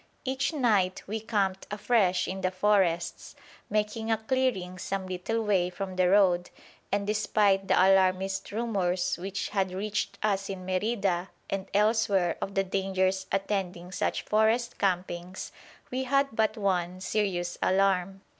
Each night we camped afresh in the forests, making a clearing some little way from the road; and despite the alarmist rumours which had reached us in Merida and elsewhere of the dangers attending such forest campings, we had but one serious alarm.